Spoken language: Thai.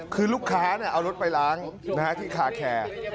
คือลูกค้าเอารถไปล้างที่คาแคร์